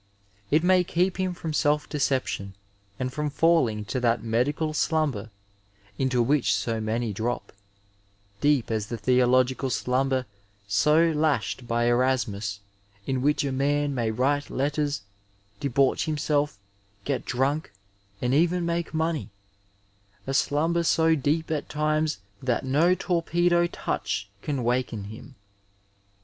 It may keep him from self deception and from falling into that medical slumber into which so many drop, deep as the theological slumber so lashed by Erasmus, in which a man may write letters, debauch himself, get drunk, and even make money — a slumber so deep at times that no torpedo touch can waken him.